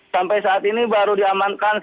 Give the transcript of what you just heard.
sampai saat ini baru diamankan